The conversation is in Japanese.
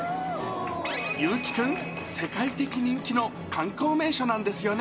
優木君、世界的人気の観光名所なんですよね。